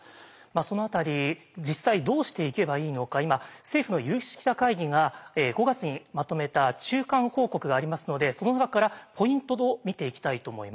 その辺り実際どうしていけばいいのか今政府の有識者会議が５月にまとめた中間報告がありますのでその中からポイントを見ていきたいと思います。